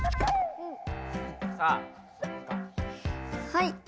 はい。